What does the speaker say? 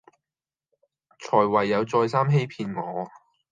才唯有再三欺騙我